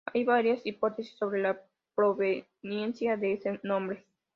Hay varias hipótesis sobre la proveniencia de este nombre.